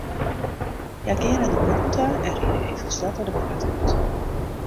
Hja geane nei bûten ta en ride eefkes letter de poarte út.